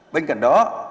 bên cạnh đó